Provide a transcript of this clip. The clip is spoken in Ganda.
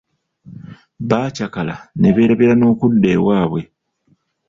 Baakyakala ne beerabira n'okudda ewaabwe.